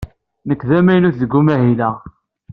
Nekk d amaynut deg umahil-a.